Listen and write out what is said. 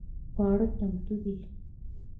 خواړه چمتو دي؟